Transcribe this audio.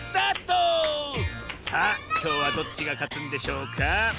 さあきょうはどっちがかつんでしょうか？